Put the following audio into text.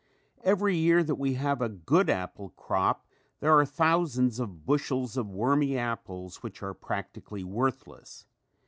Every year, that we have a good apple crop, there are thousands of bushels of wormy apples which are practically worthless.